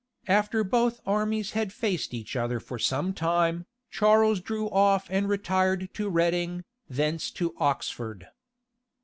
[] After both armies had faced each other for some time, Charles drew off and retired to Reading, thence to Oxford.